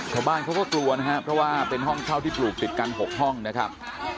ชาวบ้านเขาก็กลัวนะครับเพราะว่าเป็นห้องเช่าที่ปลูกติดกัน๖ห้องนะครับ